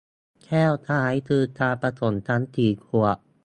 แก้วซ้ายคือการผสมทั้งสี่ขวด